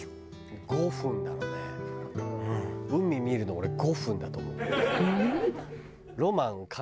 海見るの俺５分だと思う。